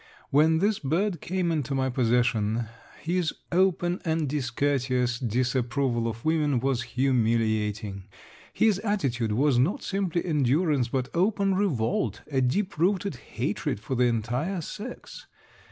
When this bird came into my possession his open and discourteous disapproval of women was humiliating. His attitude was not simply endurance but open revolt, a deep rooted hatred for the entire sex.